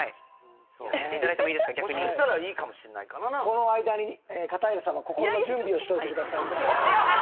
この間に片平さんは心の準備をしておいてください。